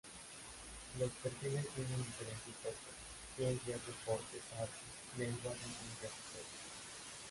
Los perfiles tienen diferentes focos: ciencias, deportes, artes, lenguas y ciencias sociales.